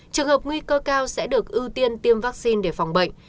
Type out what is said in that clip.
trường hợp nguy cơ cao sẽ được ưu tiên tiêm vaccine để phòng bệnh